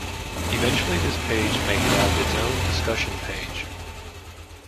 Eventually this page may have its own discussion page.